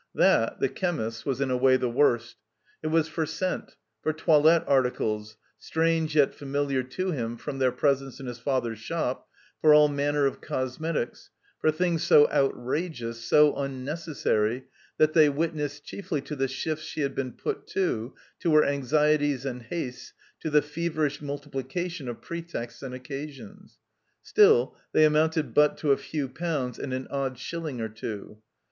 That, the chemist's, was in a way the worst. It was for scent, for toilette articles, strange yet familiar to him from their pres ence in his father's shop, for all manner of cosmetics, for things so outrageous, so tmnecessary, that they witnessed chiefly to the shifts she had been put to, to her anxieties and hastes, to the feverish multi plication of i)retexts and occasions. Still, they amotmted but to a few poimds and an odd shilling or two.